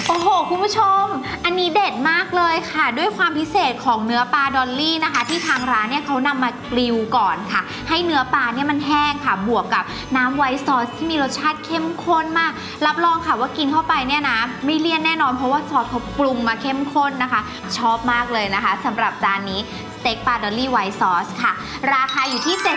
โอ้โหคุณผู้ชมอันนี้เด็ดมากเลยค่ะด้วยความพิเศษของเนื้อปลาดอลลี่นะคะที่ทางร้านเนี่ยเขานำมากลิวก่อนค่ะให้เนื้อปลาเนี่ยมันแห้งค่ะบวกกับน้ำไวซอสที่มีรสชาติเข้มข้นมากรับรองค่ะว่ากินเข้าไปเนี่ยนะไม่เลี่ยนแน่นอนเพราะว่าซอสเขาปรุงมาเข้มข้นนะคะชอบมากเลยนะคะสำหรับจานนี้สเต็กปลาดอลลี่ไวซอสค่ะราคาอยู่ที่เต็